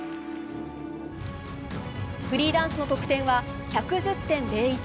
フリーダンスの得点は１１０．０１。